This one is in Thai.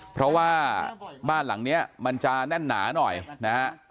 เพราะว่าบ้านหลังนี้มันจะแน่นหนาหน่อยนะฮะ